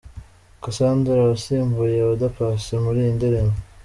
Cassandra wasimbuye Oda Paccy muri iyi ndirimbo.